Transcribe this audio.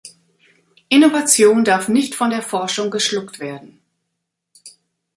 Innovation darf nicht von der Forschung geschluckt werden.